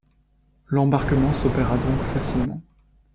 L’embarquement s’opéra donc facilement.